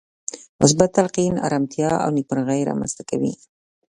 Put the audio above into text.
مثبت تلقين ارامتيا او نېکمرغي رامنځته کوي.